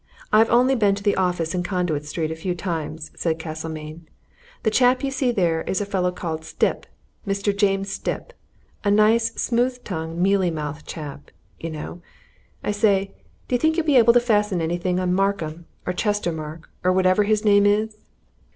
I've only been to the offices in Conduit Street a few times," said Castlemayne. "The chap you see there is a fellow called Stipp Mr. James Stipp. A nice, smooth tongued, mealy mouthed chap you know. I say d'ye think you'll be able to fasten anything on to Markham, or Chestermarke, or whatever his name is?"